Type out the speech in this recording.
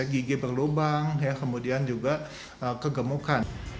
gigi berlubang kemudian juga kegemukan